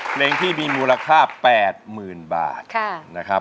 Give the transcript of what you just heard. เพลงที่มีมูลค่า๘๐๐๐๐บาท